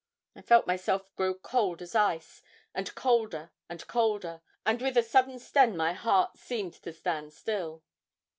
I felt myself grow cold as ice, and colder and colder, and with a sudden sten my heart seemed to stand still.